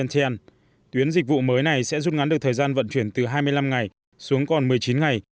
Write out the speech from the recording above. tuyến dịch vụ mới này sẽ rút ngắn được thời gian vận chuyển từ hai mươi năm ngày xuống còn một mươi chín ngày